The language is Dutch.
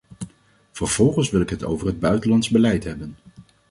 Vervolgens wil ik het over het buitenlands beleid hebben.